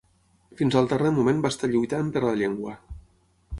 Fins al darrer moment va estar lluitant per la Llengua.